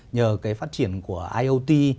nhờ cái phát triển của iot